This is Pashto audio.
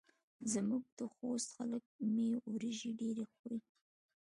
زموږ د خوست خلک مۍ وریژې ډېرې خوري.